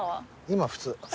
今普通。